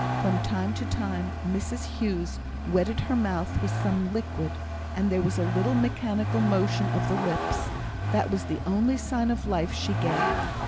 From time to time Mrs Hughes wetted her mouth with some liquid, and there was a little mechanical motion of the lips; that was the only sign of life she gave.